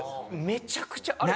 めちゃくちゃあれ。